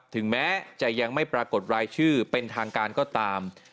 ถึงแม้จะยังไม่ปรากฏรายชื่อเป็นทางการก็ตาม